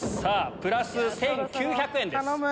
プラス１９００円です。